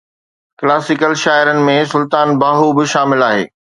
classical شاعرن ۾ سلطان باهو به شامل آهي